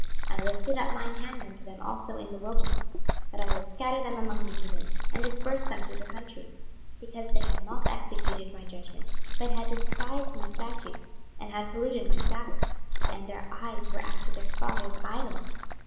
26:020:023 I lifted up mine hand unto them also in the wilderness, that I would scatter them among the heathen, and disperse them through the countries; 26:020:024 Because they had not executed my judgments, but had despised my statutes, and had polluted my sabbaths, and their eyes were after their fathers' idols.